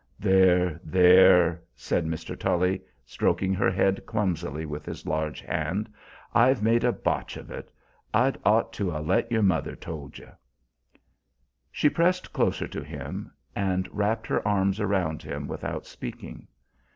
"There, there!" said Mr. Tully, stroking her head clumsily with his large hand. "I've made a botch of it. I'd ought to 'a' let your mother told ye." She pressed closer to him, and wrapped her arms around him without speaking.